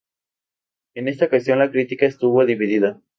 En esta ocasión, la crítica estuvo dividida.